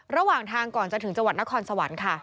ระหว่างทางก่อนจะถึงจังหวัดนครสวรรค์ค่ะ